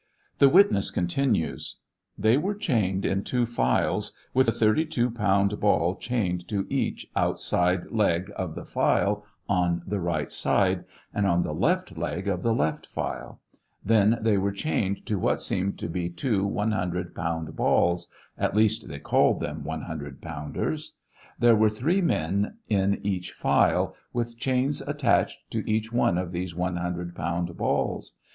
The witness con tinues : They were chained in two files, with a 32 pound ball chained to each outside leg of the file on the right side, and on the left leg of the left file; then they were chained to what seemed to be two 100 pound balls — at least they called them 100 pounders. There were three men in each file, with chains attached to each one of these 100 pound balls.